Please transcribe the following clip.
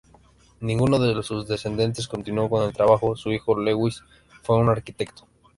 Ninguno de sus descendentes continuó con el trabajo; su hijo, Lewis, fue un arquitecto.